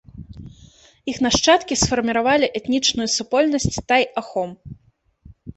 Іх нашчадкі сфарміравалі этнічную супольнасць тай-ахом.